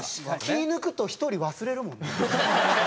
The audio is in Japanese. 気ぃ抜くと１人忘れるもんね。